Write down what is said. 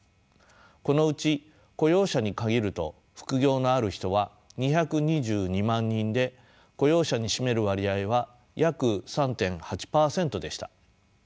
このうち雇用者に限ると副業のある人は２２２万人で雇用者に占める割合は約３．８％でした。